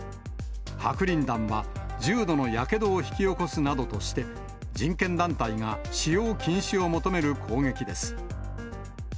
白リン弾は重度のやけどを引き起こすなどとして、人権団体が使用禁止を求める攻撃です。